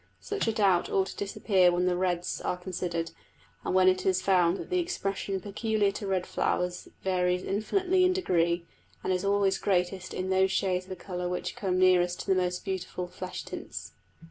Such a doubt ought to disappear when the reds are considered, and when it is found that the expression peculiar to red flowers varies infinitely in degree, and is always greatest in those shades of the colour which come nearest to the most beautiful flesh tints.